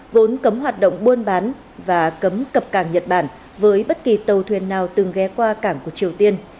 vốn cấm hoạt động buôn bán và cấm cập cảng nhật bản với bất kỳ tàu thuyền nào từng ghé qua cảng của triều tiên